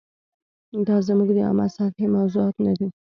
دا زموږ د عامه سطحې موضوعات نه دي.